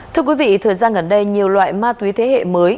thưa quý vị thời gian gần đây nhiều loại ma túy thế hệ mới